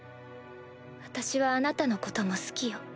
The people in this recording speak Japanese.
私はあなたのことも好きよ。